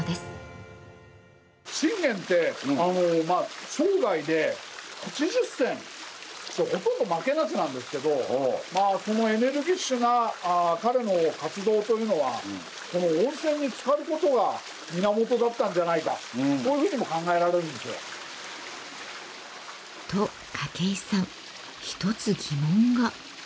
信玄って生涯で８０戦ほとんど負けなしなんですけどまあそのエネルギッシュな彼の活動というのはこの温泉につかることが源だったんじゃないかこういうふうにも考えられるんですよ。と筧さん一つ疑問が。